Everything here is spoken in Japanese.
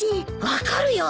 分かるよ